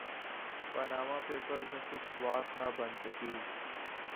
Panama Papers میں کچھ بات نہ بن سکی۔